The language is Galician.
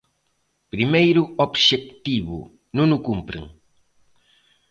Primeiro obxectivo, non o cumpren.